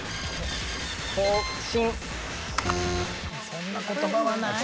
そんな言葉はない。